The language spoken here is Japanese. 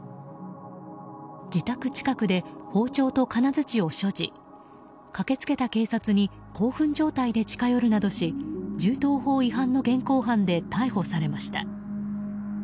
自宅近くで包丁と金づちを所持駆け付けた警察に興奮状態で近寄るなどし銃刀法違反の現行犯で逮捕されました。